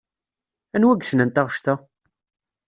Anwa yecnan taɣect-a?